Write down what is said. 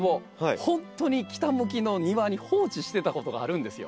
ほんとに北向きの庭に放置してたことがあるんですよ。